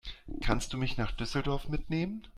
Kannst du mich nach Düsseldorf mitnehmen?